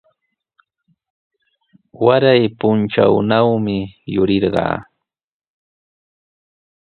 Waray puntrawnawmi yurirqaa.